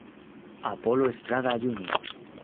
Apolo Estrada, Jr.